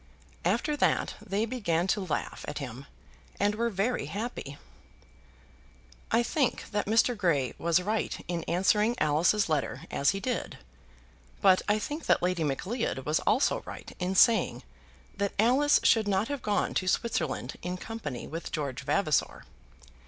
After that they began to laugh at him and were very happy. I think that Mr. Grey was right in answering Alice's letter as he did; but I think that Lady Macleod was also right in saying that Alice should not have gone to Switzerland in company with George Vavasor.